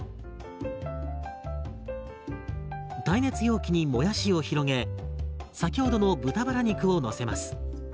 耐熱容器にもやしを広げ先ほどの豚バラ肉をのせます。